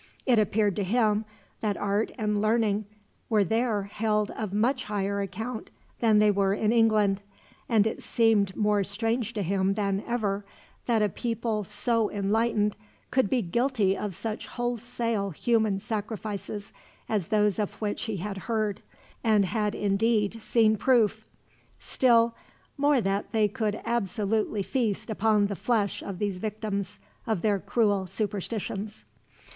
It appeared to him that art and learning were there held of much higher account than they were in England; and it seemed more strange to him than ever, that a people so enlightened could be guilty of such wholesale human sacrifices as those of which he had heard, and had indeed seen proof; still more that they could absolutely feast upon the flesh of these victims of their cruel superstitions.